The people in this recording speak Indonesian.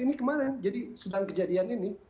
ini kemarin jadi sedang kejadian ini